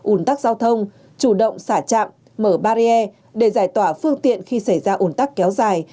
ủn tắc giao thông chủ động xả trạm mở barrier để giải tỏa phương tiện khi xảy ra ủn tắc kéo dài